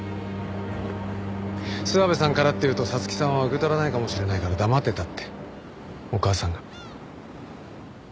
諏訪部さんからって言うと沙月さんは受け取らないかもしれないから黙ってたってお義母さんが。